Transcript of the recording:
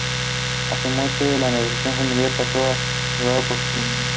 A su muerte el negocio familiar pasó a ser llevado por sus hijos.